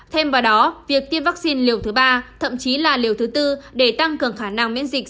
thêm vào đó việc tiêm vaccine liều thứ ba thậm chí là liều thứ tư để tăng cường khả năng miễn dịch